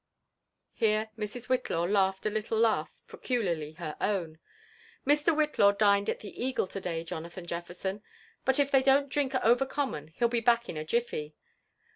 Here Mrs. Whitlaw laughed a little laugh peculiarly her own. " Mr. Whitlaw dined at the Eagle to day, Jonathan Jefl'erson ; but if they don't drink over common, he'll be back in a jifl'y.